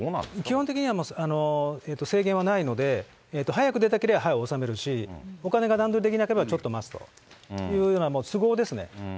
基本的には制限はないので、早く出たけりゃ早く納めるし、お金が段取りできないならちょっと待つと、都合ですね。